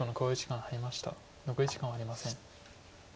残り時間はありません。